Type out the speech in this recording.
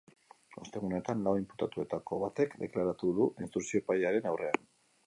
Ostegun honetan lau inputatuetako batek deklaratu du instrukzio epailearen aurrean.